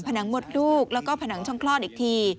หนังมดลูกแล้วก็ผนังช่องคลอดอีกที